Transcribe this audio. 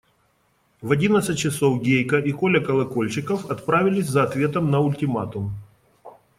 В одиннадцать часов Гейка и Коля Колокольчиков отправились за ответом на ультиматум.